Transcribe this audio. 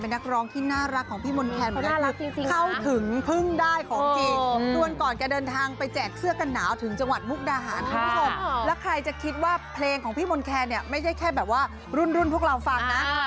เพลงของพี่มนต์แคนเนี่ยไม่ใช่แค่แบบว่ารุ่นพวกเราฟังนะ